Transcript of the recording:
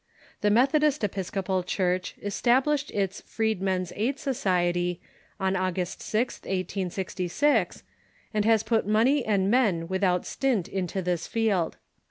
The Methodist Episcopal Church established its Freedmen's Aid Society on August 6th, 1866, and has put money and men without stint into this field.